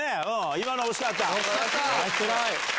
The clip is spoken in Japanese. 今のは惜しかった。